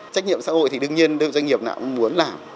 trách nhiệm xã hội thì đương nhiên doanh nghiệp nào cũng muốn làm